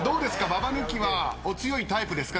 ババ抜きはお強いタイプですか？